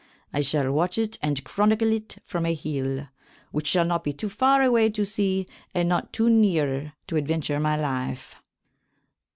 I shall watch it and chronycle it from a hill, which shall not be too farre away to see and not too neare to adventure my lyfe.